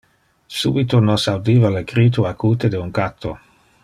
Subito nos audiva le crito acute de un catto.